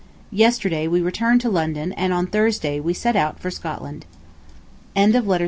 Yesterday we returned to London, and on Thursday we set out for Scotland. _To Mr. and Mrs. I.